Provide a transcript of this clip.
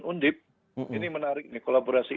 undip ini menarik nih kolaborasi